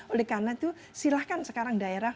oleh karena itu silahkan sekarang daerah